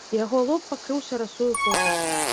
Яго лоб пакрыўся расою поту.